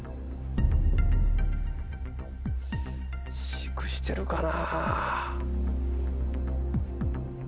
飼育してるかな。